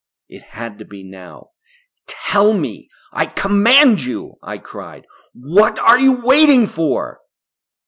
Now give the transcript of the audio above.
It had to be now! "Tell me. I command you," I cried. "What are you waiting for?"